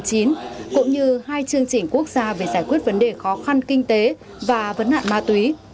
cũng như hai chương trình quốc gia về giải quyết vấn đề khó khăn kinh tế và vấn nạn ma túy